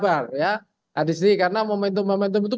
ada di sini karena momentum momentum itu